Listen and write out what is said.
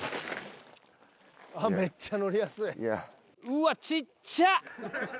うわ。ちっちゃ。